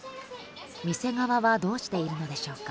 店側はどうしているのでしょうか。